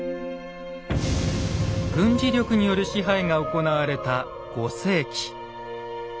軍事力による支配が行われた５世紀。